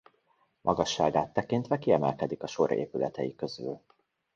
Magasságát tekintve kiemelkedik a sor épületei közül.